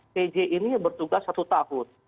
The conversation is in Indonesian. pj ini bertugas satu tahun